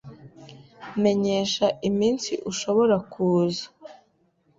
Menyesha iminsi ushobora kuza.